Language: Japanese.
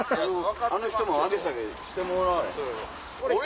あの人も上げ下げしてもらわれへん。